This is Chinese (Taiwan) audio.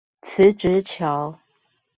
辭職橋